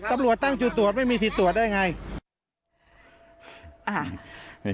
ตำรวจตั้งจุดตรวจไม่มีสิทธิ์ตรวจได้ไง